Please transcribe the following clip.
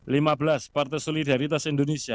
lima belas partai solidaritas indonesia